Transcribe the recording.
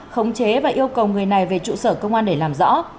khống chế và yêu cầu người này về trụ sở công an để làm rõ